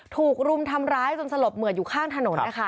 ถูกรุมทำร้ายจนสลบเหมือนอยู่ข้างถนน